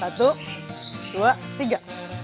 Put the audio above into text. satu dua tiga